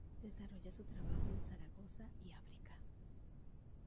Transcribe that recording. Desarrolla su trabajo en Zaragoza y África.